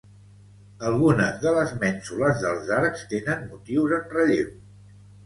Algunes de les mènsules dels arcs tenen motius en relleu.